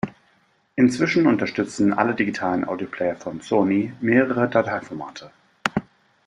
Inzwischen unterstützen alle digitalen Audioplayer von Sony mehrere Dateiformate.